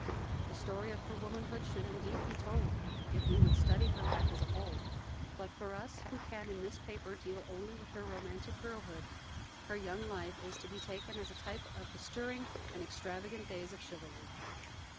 The story of her womanhood should indeed be told, if we would study her life as a whole; but for us, who can in this paper deal only with her romantic girlhood, her young life is to be taken as a type of the stirring and extravagant days of chivalry.